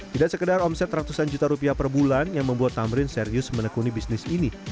tidak sekedar omset ratusan juta rupiah per bulan yang membuat tamrin serius menekuni bisnis ini